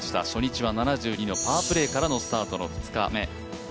初日は７２のパープレーからの２日目。